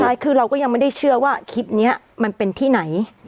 ใช่คือเราก็ยังไม่ได้เชื่อว่าคลิปนี้มันเป็นที่ไหน